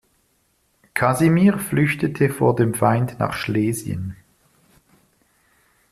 Kasimir flüchtete vor dem Feind nach Schlesien.